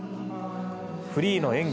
フリーの演技